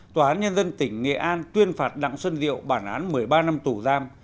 tòa án nhân dân tỉnh nghệ an tuyên phạt đặng xuân diệu bản án một mươi ba năm tù giam